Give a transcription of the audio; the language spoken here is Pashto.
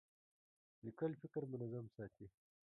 لیکل فکر منظم ساتي.